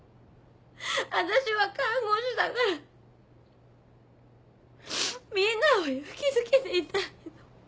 わたしは看護師だからみんなを勇気づけていたいの。